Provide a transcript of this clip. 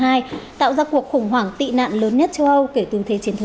tạo ra cuộc khủng hoảng tị nạn lớn nhất châu âu kể từ thế chiến thứ